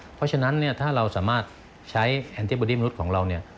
เพราะฉะนั้นถ้าเราสามารถใช้แอนติบอดี้มนุษย์ของเรา